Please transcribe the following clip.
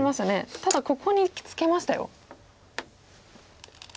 ただここにツケましたよ。